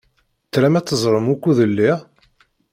Tram ad teẓṛem wukud lliɣ?